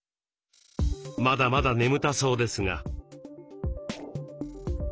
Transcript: まだまだ眠たそうですが。